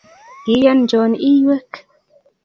Kiyonjon iyweek